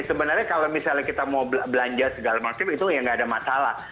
sebenarnya kalau misalnya kita mau belanja segala macam itu ya nggak ada masalah